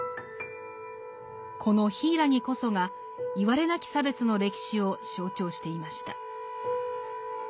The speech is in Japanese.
この柊こそがいわれなき差別の歴史を象徴していました。